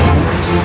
bisa atau tidak